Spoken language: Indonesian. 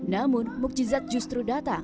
namun mukjizat justru tidak bisa dihapus